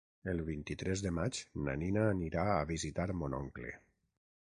El vint-i-tres de maig na Nina anirà a visitar mon oncle.